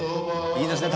「いいですね